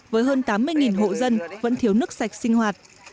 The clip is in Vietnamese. với hơn tám mươi hộ dân vẫn thiếu nước